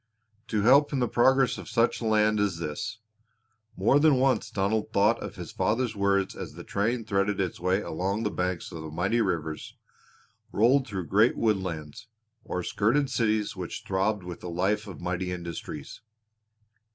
To help in the progress of such a land as this! More than once Donald thought of his father's words as the train threaded its way along the banks of mighty rivers, rolled through great woodlands, or skirted cities which throbbed with the life of mighty industries.